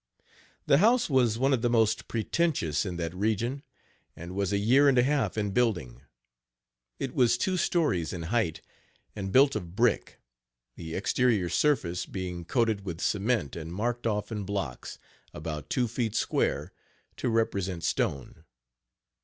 The house was one of the most pretentious in that region, and was a year and a half in building. It was two stories in height, and built of brick, the exterior surface being coated with cement and marked off in blocks, about two feet square, to represent stone.